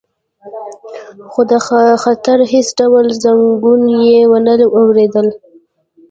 خو د خطر هیڅ ډول زنګونه یې ونه اوریدل